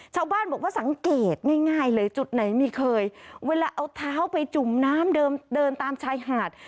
ชาวบ้านบอกว่าสังเกตง่ายเลยจุดไหนไม่เคยเวลาเอาเท้าไปจุ่มน้ำเดินตามชายหาด